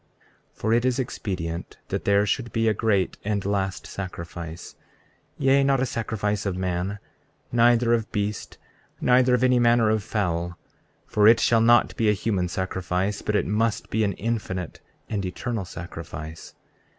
34:10 For it is expedient that there should be a great and last sacrifice; yea, not a sacrifice of man, neither of beast, neither of any manner of fowl; for it shall not be a human sacrifice; but it must be an infinite and eternal sacrifice.